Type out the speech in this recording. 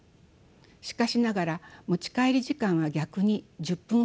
しかしながら持ち帰り時間は逆に１０分ほど増えています。